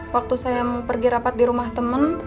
waktu saya mau pergi rapat di rumah temen